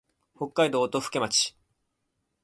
北海道音更町